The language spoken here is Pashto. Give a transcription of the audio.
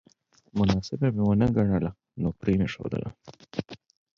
مناسبه مې ونه ګڼله نو پرې مې ښودله